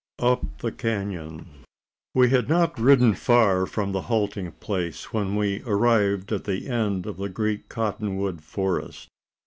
UP THE CANON. We had not ridden far from our halting place, when we arrived at the end of the great cotton wood forest.